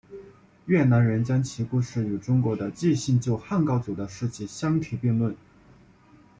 越南人将其故事与中国的纪信救汉高祖的事迹相提并论。